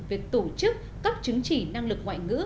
việc tổ chức các chứng chỉ năng lực ngoại ngữ